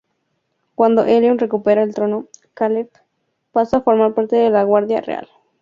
Cuando Elyon recupera el trono, Caleb pasa a formar parte de la guardia real.